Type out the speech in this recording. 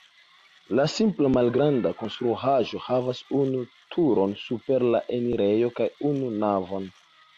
La simpla, malgranda konstruaĵo havas unu turon super la enirejo kaj unu navon.